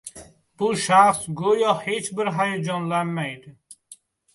Bu shaxs go‘yo hech bir hayajonlanmaydi.